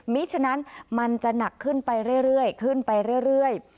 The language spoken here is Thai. ฉะนั้นมันจะหนักขึ้นไปเรื่อยขึ้นไปเรื่อย